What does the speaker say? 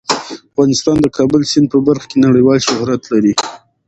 افغانستان د کابل سیند په برخه کې نړیوال شهرت لري.